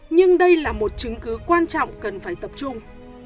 nhưng đây là một chứng cứ quan trọng cần phải tập trung